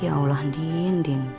ya allah din